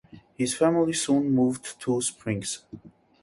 His family soon moved to Springs.